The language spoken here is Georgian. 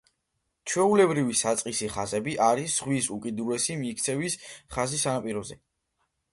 ჩვეულებრივი საწყისი ხაზები არის ზღვის უკიდურესი მიქცევის ხაზი სანაპიროზე.